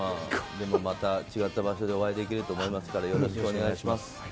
でもまた違った場所でお会いできると思いますからよろしくお願いします。